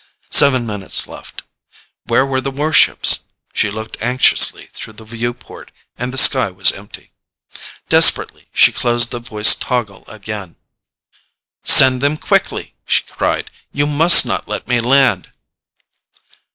Seven minutes left. Where were the warships? She looked anxiously through the viewport and the sky was empty. Desperately she closed the voice toggle again. "Send them quickly!" she cried. "You must not let me land!"